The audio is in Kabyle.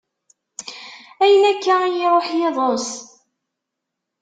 Ayen akka i yi-iruḥ yiḍes?